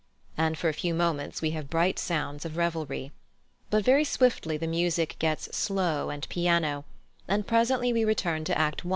and for a few moments we have bright sounds of revelry; but very swiftly the music gets slow and piano, and presently we return to Act i.